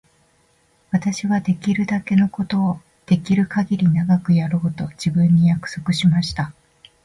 私はできるだけのことをできるかぎり長くやろうと自分に約束しました。